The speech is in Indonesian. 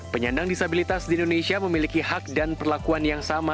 penyandang disabilitas di indonesia memiliki hak dan perlakuan yang sama